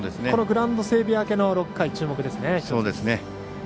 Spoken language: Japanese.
このグラウンド整備明けの６回、注目ですね。